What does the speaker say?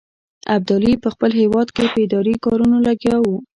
ابدالي په خپل هیواد کې په اداري کارونو لګیا وو.